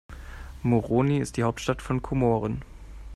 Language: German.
Moroni ist die Hauptstadt von Komoren.